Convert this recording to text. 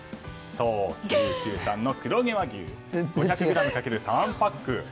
九州産の黒毛和牛５００ｇかける３パック。